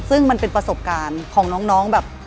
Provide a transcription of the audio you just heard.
ซึ่งมันเป็นประสบการณ์ของน้องแบบ